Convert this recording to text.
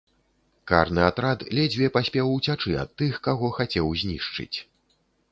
Карны атрад ледзьве паспеў уцячы ад тых, каго хацеў знішчыць.